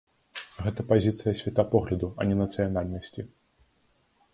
Гэта пазіцыя светапогляду, а не нацыянальнасці.